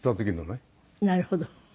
なるほど。